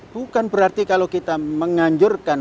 bukan berarti kalau kita menganjurkan